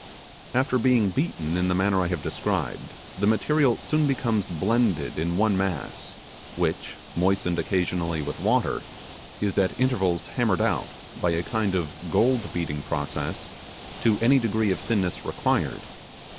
After being beaten in the manner I have described, the material soon becomes blended in one mass, which, moistened occasionally with water, is at intervals hammered out, by a kind of gold beating process, to any degree of thinness required.